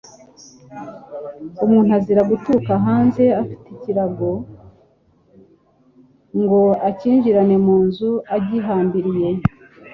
Umuntu azira guturuka hanze afite ikirago, ngo akinjirane mu nzu agihambiriye,